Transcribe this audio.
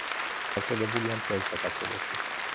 გავრცელებულია მთელ საქართველოში.